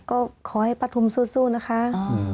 ก็ขอให้ป้าทุมสู้นะคะ